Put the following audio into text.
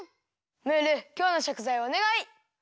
ムールきょうのしょくざいをおねがい！